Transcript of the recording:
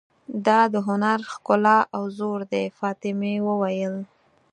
دا د هنر ښکلا او زور دی، فاطمه وویل.